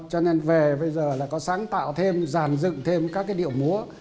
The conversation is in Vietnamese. cho nên về bây giờ là có sáng tạo thêm giàn dựng thêm các cái điệu múa